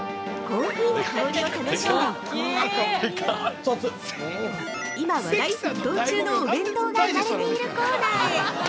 ◆コーヒーの香りを楽しんだ一行は今、話題沸騰中のお弁当が売られているコーナーへ。